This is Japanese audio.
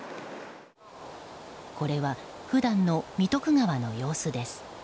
これは普段の三徳川の様子です。